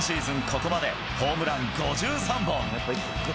ここまで、ホームラン５３本。